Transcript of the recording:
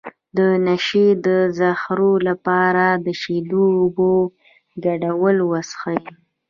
د نشې د زهرو لپاره د شیدو او اوبو ګډول وڅښئ